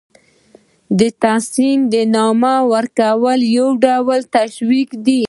د تحسین نامې ورکول یو ډول تشویق دی.